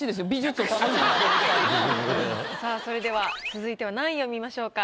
さあそれでは続いては何位を見ましょうか？